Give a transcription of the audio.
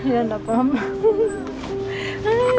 ya tidak apa apa